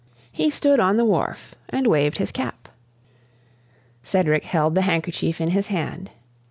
He stood on the wharf and waved his cap. Cedric held the handkerchief in his hand.